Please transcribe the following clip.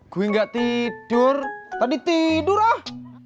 gue gak tidur tadi tidur ah